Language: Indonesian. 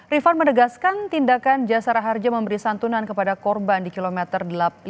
rifan menegaskan tindakan jasara harja memberi santunan kepada korban di kilometer delapan puluh lima